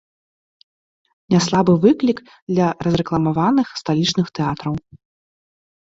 Няслабы выклік для разрэкламаваных сталічных тэатраў.